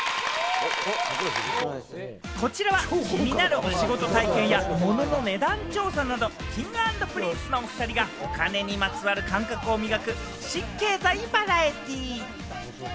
こちらは気になるお仕事体験や物の値段調査など、Ｋｉｎｇ＆Ｐｒｉｎｃｅのお２人がお金にまつわる感覚を磨く、新・経済バラエティー。